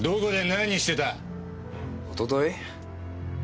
おととい？